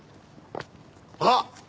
あっ！